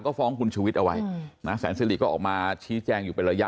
ก็คุณชุวิตเอาไว้หน้าแสนสิริก็ออกมาชี้แจ้งอยู่ในระยะ